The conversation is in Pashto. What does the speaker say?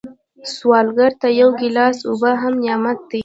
سوالګر ته یو ګیلاس اوبه هم نعمت دی